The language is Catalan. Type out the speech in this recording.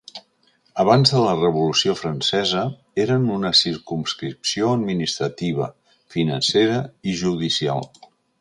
Abans de la Revolució francesa, eren una circumscripció administrativa, financera i judicial.